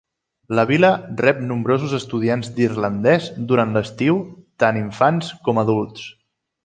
La vila rep nombrosos estudiants d'irlandès durant l'estiu, tant infants com adults.